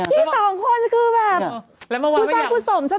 พี่สองคนก็คือแบบคู่สั้นคู่สมชัด